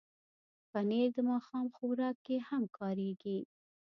پنېر د ماښام خوراک کې هم کارېږي.